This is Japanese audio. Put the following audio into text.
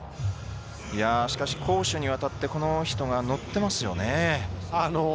しかし攻守にわたってこの人は乗っていますよね。